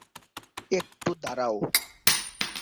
একটু দাঁড়াও।